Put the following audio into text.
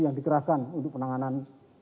yang dikerahkan untuk penanganan